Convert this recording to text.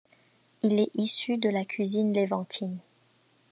Il est issu de la cuisine levantine.